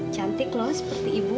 cantik loh seperti ibu